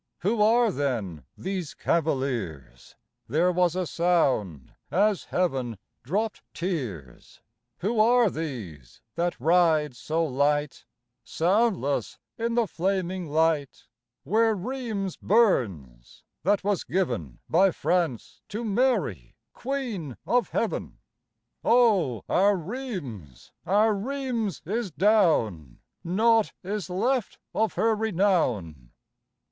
Who are then these cavaliers ? There was a sound as Heaven dropt tears. Who are these that ride so light, Soundless in the flaming light, Where Rheims burns, that was given By France to Mary, Queen of Heaven ? THE RIDERS O our Rheims, our Rheims is down, Naught is left of her renown.